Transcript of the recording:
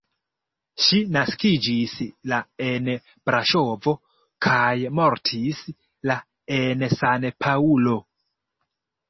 Ŝi naskiĝis la en Braŝovo kaj mortis la en San-Paŭlo.